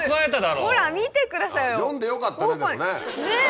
ほら見てくださいよ。ねぇ！